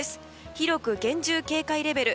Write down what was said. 広く厳重警戒レベル。